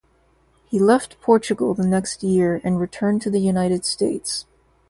He left Portugal the next year and returned to the United States.